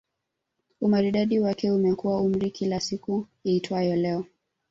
Umaridadi wake umekuwa mzuri kila siku iitwayo Leo